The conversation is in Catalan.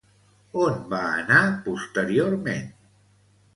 On va anar posteriorment?